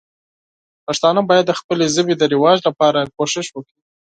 پښتانه باید د خپلې ژبې د رواج لپاره کوښښ وکړي.